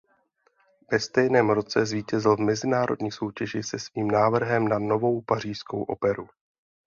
Ve stejném roce zvítězil v mezinárodní soutěži se svým návrhem na novou pařížskou operu.